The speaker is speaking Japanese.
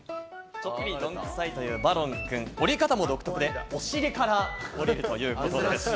ちょっぴりどんくさいというバロンくん、降り方も独特でお尻から降りるということです。